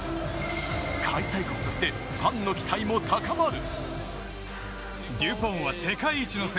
開催国としてファンの期待も高まる。